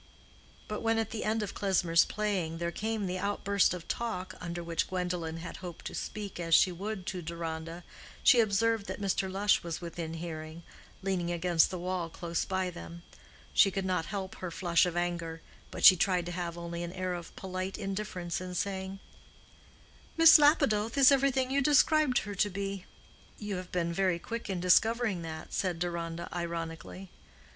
But when at the end of Klesmer's playing there came the outburst of talk under which Gwendolen had hoped to speak as she would to Deronda, she observed that Mr. Lush was within hearing, leaning against the wall close by them. She could not help her flush of anger, but she tried to have only an air of polite indifference in saying, "Miss Lapidoth is everything you described her to be." "You have been very quick in discovering that," said Deronda, ironically.